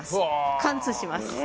貫通します。